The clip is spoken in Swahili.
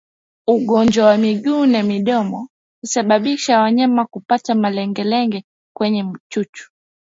Ugonjwa wa miguu na midomo husababisa wanyama kupata malengelenge kwenye chuchu